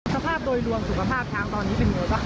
สภาพโดยรวมสุขภาพช้างตอนนี้จากการประเมิน